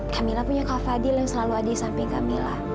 kamila punya kak fadil yang selalu ada di samping kamila